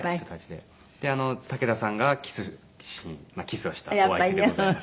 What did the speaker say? で武田さんがキスシーンキスをしたお相手でございます。